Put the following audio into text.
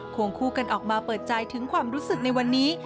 วงคู่กันออกมาเปิดใจถึงความรู้สึกในวันนี้